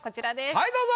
はいどうぞ！